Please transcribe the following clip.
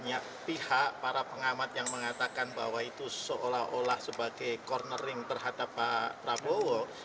banyak pihak para pengamat yang mengatakan bahwa itu seolah olah sebagai cornering terhadap pak prabowo